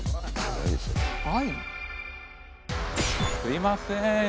すいません。